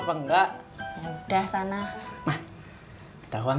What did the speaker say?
enggak udah sana tahu dong